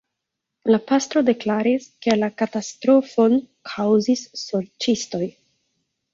La pastro deklaris, ke la katastrofon kaŭzis sorĉistoj.